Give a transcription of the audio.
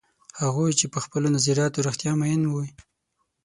هغوی چې په خپلو نظریو رښتیا میین وي.